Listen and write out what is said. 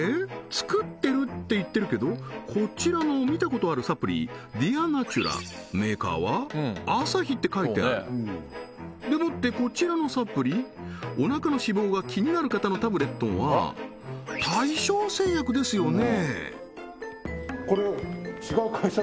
作ってるって言ってるけどこちらの見たことあるサプリＤｅａｒ−Ｎａｔｕｒａメーカーは「Ａｓａｈｉ」って書いてあるでもってこちらのサプリおなかの脂肪が気になる方のタブレットは大正製薬ですよね？